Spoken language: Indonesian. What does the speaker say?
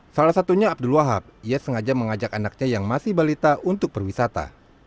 salah satunya abdul wahab ia sengaja mengajak anaknya yang masih balita untuk perwisata